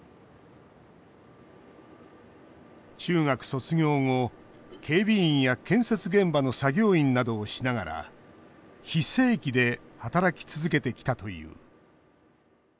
中学卒業後、警備員や建設現場の作業員などをしながら非正規で働き続けてきたという。